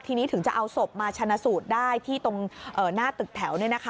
ทีนี้ถึงจะเอาศพมาชนะสูตรได้ที่ตรงหน้าตึกแถว